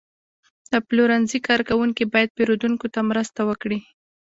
د پلورنځي کارکوونکي باید پیرودونکو ته مرسته وکړي.